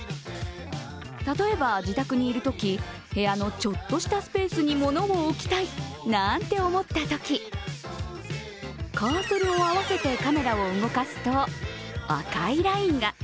例えば、自宅にいるとき部屋のちょっとしたスペースに物を置きたいなんて思ったとき、カーソルを合わせてカメラを動かすと、赤いラインが。